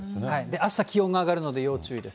あした、気温が上がるので要注意です。